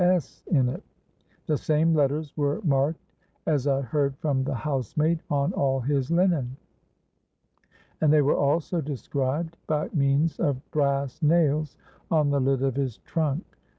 S. in it; the same letters were marked, as I heard from the housemaid, on all his linen; and they were also described by means of brass nails on the lid of his trunk.